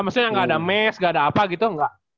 maksudnya nggak ada mes gak ada apa gitu enggak